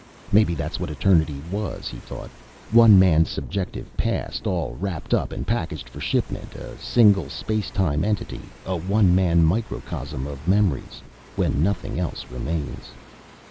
Maybe that's what Eternity was, he thought one man's subjective Past, all wrapped up and packaged for shipment, a single space time entity, a one man microcosm of memories, when nothing else remains.